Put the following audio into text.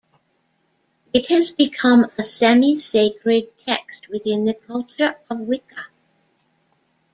It has become a semi-sacred text within the culture of Wicca.